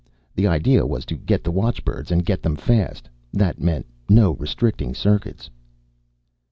The idea was to get the watchbirds and get them fast. That meant no restricting circuits."